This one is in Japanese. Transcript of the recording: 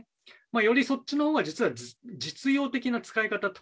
よりそっちのほうが実用的な使い方と。